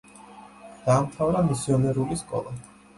დაამთავრა მისიონერული სკოლა.